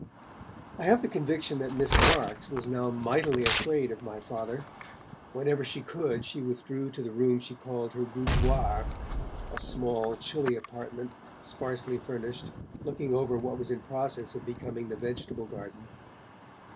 I have the conviction that Miss Marks was now mightily afraid of my Father. Whenever she could, she withdrew to the room she called her 'boudoir', a small, chilly apartment, sparsely furnished, looking over what was in process of becoming the vegetable garden.